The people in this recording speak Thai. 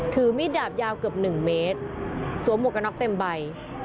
ถือมีดดาบยาวเกือบ๑เมตรสวมหมวกกันน็อกเต็มใบ